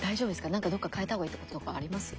なんかどっか変えた方がいいとことかあります？